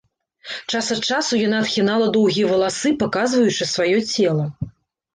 Час ад часу яна адхінала доўгія валасы, паказваючы сваё цела.